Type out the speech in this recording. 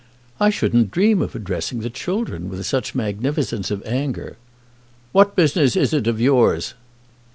"I shouldn't dream of addressing the children with such magnificence of anger. 'What business is it of yours?'